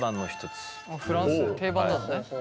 フランスで定番なのね。